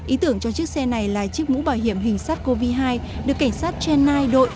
ý tưởng cho chiếc xe này là chiếc mũ bảo hiểm hình sars cov hai được cảnh sát chennai đội